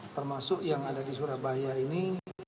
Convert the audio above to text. termasuk yang ada di surabaya ini